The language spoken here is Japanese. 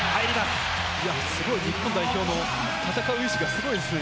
すごい、日本代表も、戦う意思がすごいですね。